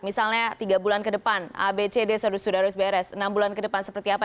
misalnya tiga bulan ke depan abcd sudah harus beres enam bulan ke depan seperti apa